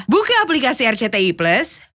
buka aplikasi rcti plus